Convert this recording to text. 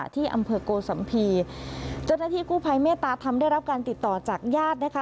ที่อำเผอร์โกสัมพีจนที่กู้ภัยเมตตาทำได้รับการติดต่อจากญาตินะคะ